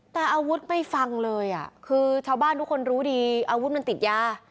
แต่อาวุธไม่ฟังเลยอ่ะคือชาวบ้านทุกคนรู้ดีอาวุธมันติดยา